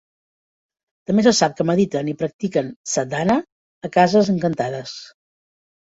També se sap que mediten i practiquen sadhana a cases encantades.